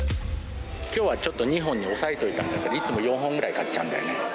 きょうはちょっと２本に抑えといたんだけど、いつも４本ぐらい買っちゃうんだよね。